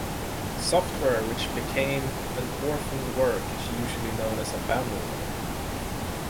Software which became an orphaned work is usually known as "abandonware".